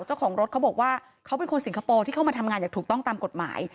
เจ้าของรถเขาบอกว่าเขาเป็นคนสิงคโปร์ที่เข้ามาทำงานอย่างถูกต้องตามกฎหมาย